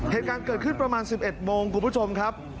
เหตุการณ์เกิดขึ้นประมาณ๑๑โมงคุณผู้ชมครับ